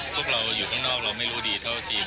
พวกเราอยู่ข้างนอกเราไม่รู้ดีเท่าทีม